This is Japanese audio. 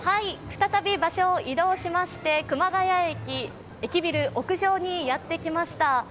再び場所を移動しまして熊谷駅、駅ビル屋上にやってきました。